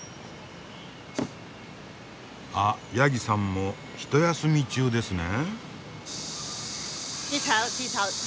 あヤギさんもひと休み中ですね。